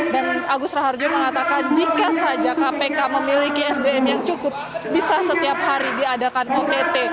dan agus raharjo mengatakan jika saja kpk memiliki sdm yang cukup bisa setiap hari diadakan mokt